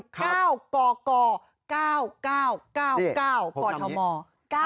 เก้ากกเก้าเก้าเก้าเก้ากอทมเก้า